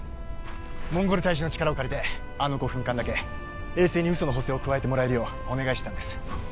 モンゴル大使の力を借りてあの５分間だけ衛星に嘘の補正を加えてもらえるようお願いしてたんです